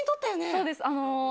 そうです。